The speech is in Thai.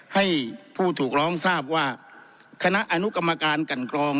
ให้ผู้ถูกร้องทราบว่าคณะอนุกรรมการกันกรอง